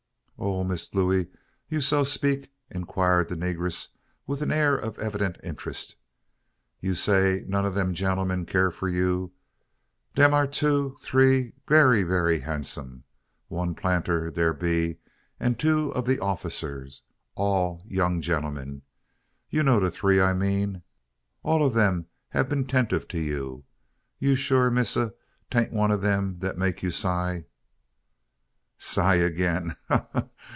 "Oh! Miss Looey, you so 'peak?" inquired the negress with an air of evident interest. "You say none ob dem gen'l'm you care for? Dere am two, tree, berry, berry, berry han'som'. One planter dar be, and two ob de officer all young gen'l'm. You know de tree I mean. All ob dem hab been 'tentive to you. You sure, missa, tain't one ob dem dat you make sigh?" "Sigh again!